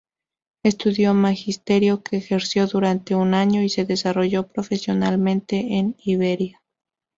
Estudió Magisterio, que ejerció durante un año y se desarrolló profesionalmente en Iberia.